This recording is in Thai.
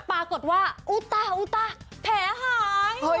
ปรากฏว่าอุ๊ตาแผลหายเลย